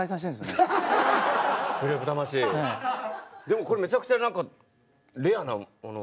でもこれめちゃくちゃ何かレアなもの。